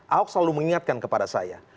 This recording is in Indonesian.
ahok selalu mengingatkan kepada saya